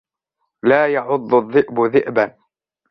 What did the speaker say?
لا يعض الذئب ذئبًا.